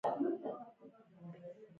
ایا ستاسو یادونه پاتې کیږي؟